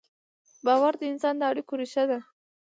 باور د انسان د اړیکو ریښه ده.